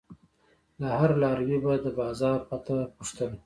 له هر لاروي به د بازار پته پوښتله.